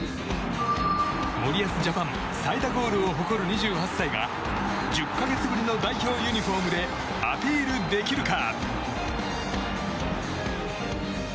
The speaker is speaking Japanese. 森保ジャパン最多ゴールを誇る２８歳が１０か月ぶりの代表ユニホームでアピールできるか。